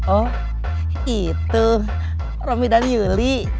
oh itu romi dan yuli